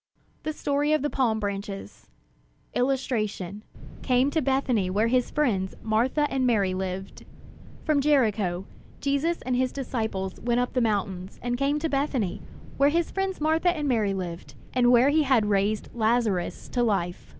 THE STORY OF THE PALM BRANCHES [Illustration: Came to Bethany where his friends Martha and Mary lived] From Jericho, Jesus and his disciples went up the mountains, and came to Bethany, where his friends Martha and Mary lived, and where he had raised Lazarus to life.